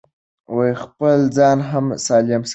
خپل ځان هم سالم ساتي.